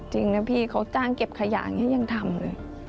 จริงนะพี่เขาจ้างเก็บขยะอย่างนี้ยังทำเลย